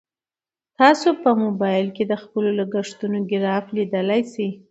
تاسو په موبایل کې د خپلو لګښتونو ګراف لیدلی شئ.